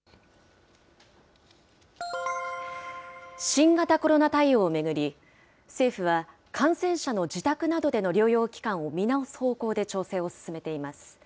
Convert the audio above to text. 新型コロナ対応を巡り、政府は感染者の自宅などでの療養期間を見直す方向で調整を進めています。